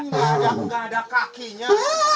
gak ada kakinya